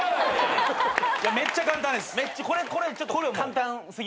めっちゃ簡単です。